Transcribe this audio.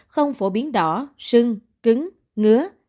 không phổ biến đỏ sưng cứng ngứa